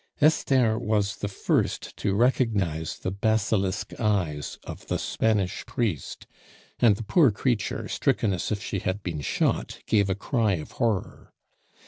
Esther was the first to recognize the basilisk eyes of the Spanish priest; and the poor creature, stricken as if she had been shot, gave a cry of horror.